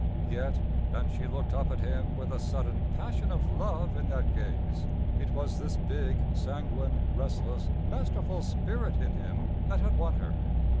Yet and she looked up at him with a sudden passion of love in that gaze it was this big, sanguine, restless, masterful spirit in him that had won her.